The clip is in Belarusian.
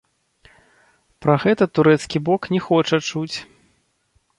Пра гэта турэцкі бок не хоча чуць.